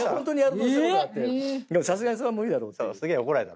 さすがにそれは無理だろうっていう。